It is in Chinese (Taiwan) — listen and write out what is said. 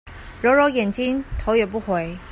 揉揉眼睛頭也不回